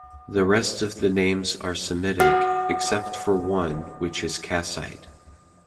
The rest of the names are Semitic, except one which is Kassite.